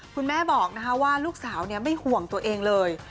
คุณแม่บอกว่าลูกสาวไม่ห่วงตัวเองเลย